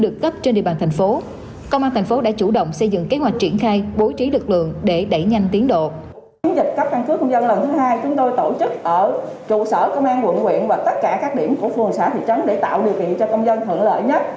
ở trụ sở công an quận quyện và tất cả các điểm của phường xã thị trấn để tạo điều kiện cho công dân thượng lợi nhất